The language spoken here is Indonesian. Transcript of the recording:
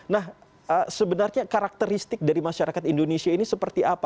nah sebenarnya karakteristik dari masyarakat indonesia ini seperti apa